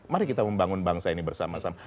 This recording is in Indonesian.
mari kita membangun bangsa ini bersama sama